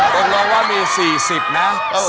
กลัวว่ามี๔๐นะ